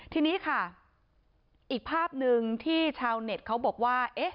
ทีนี้ค่ะอีกภาพหนึ่งที่ชาวเน็ตเขาบอกว่า